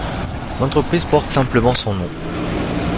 L'entreprise porte simplement son nom.